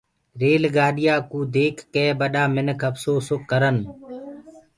ريل گآڏيآ ڪوُ ديک ڪي ٻڏآ مِنک اڦسوس ڪرن۔